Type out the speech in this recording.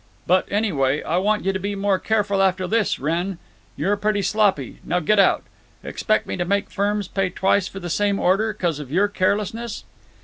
But, anyway, I want you to be more careful after this, Wrenn. You're pretty sloppy. Now get out. Expect me to make firms pay twice for the same order, cause of your carelessness?"